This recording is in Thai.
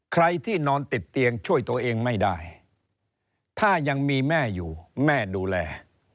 ใครที่นอนติดเตียงช่วยตัวเองไม่ได้ถ้ายังมีแม่อยู่แม่ดูแล